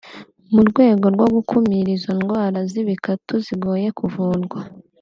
mu rwego rwo gukumira izo ndwara z’ibikatu zigoye kuvurwa